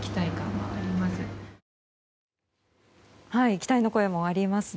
期待の声もありますね。